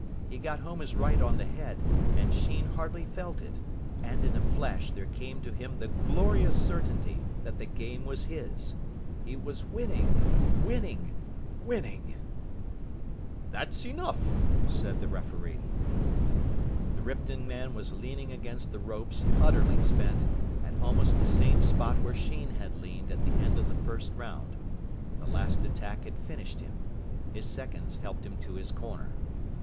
He got home his right on the head, and Sheen hardly felt it. And in a flash there came to him the glorious certainty that the game was his. He was winning winning winning. "That's enough," said the referee. The Ripton man was leaning against the ropes, utterly spent, at almost the same spot where Sheen had leaned at the end of the first round. The last attack had finished him. His seconds helped him to his corner.